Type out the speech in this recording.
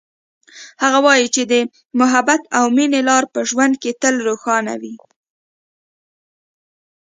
هغه وایي چې د محبت او مینې لار په ژوند کې تل روښانه وي